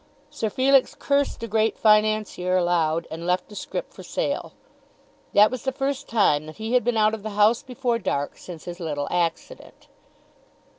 Sir Felix cursed the Great Financier aloud, and left the scrip for sale. That was the first time that he had been out of the house before dark since his little accident.